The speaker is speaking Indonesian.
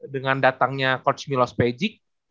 dengan datangnya coach milos pagic